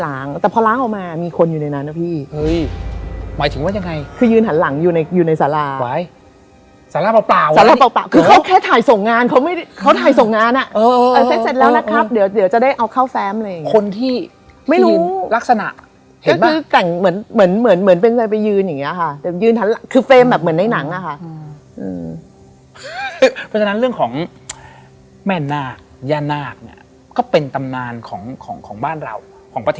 แต่พอมาเช็คเทปอะค่ะ